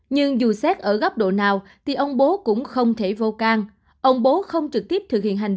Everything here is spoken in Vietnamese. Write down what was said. nhưng dù xét ở góc độ nào thì ông bố cũng không thể vô can ông bố không trực tiếp thực hiện hành